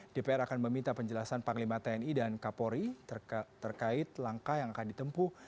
dpr akan meminta penjelasan panglima tni dan kapolri terkait langkah yang akan ditempuh